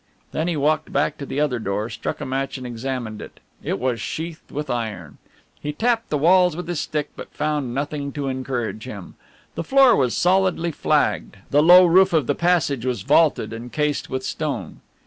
Then he walked back to the other door, struck a match and examined it. It was sheathed with iron. He tapped the walls with his stick, but found nothing to encourage him. The floor was solidly flagged, the low roof of the passage was vaulted and cased with stone.